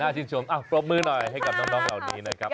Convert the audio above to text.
ชื่นชมปรบมือหน่อยให้กับน้องเหล่านี้นะครับ